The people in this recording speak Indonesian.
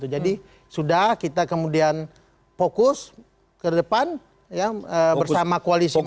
jadi sudah kita kemudian fokus ke depan bersama koalisi masing masing